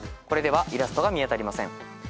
これではイラストが見当たりません。